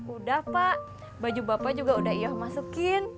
udah pak baju bapak juga udah iya masukin